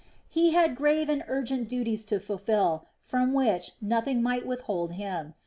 He had grave and urgent duties to fulfil, from which nothing might withhold him.